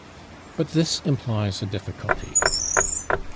But this implies a difficulty.